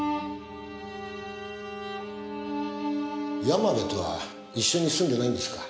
山辺とは一緒に住んでないんですか？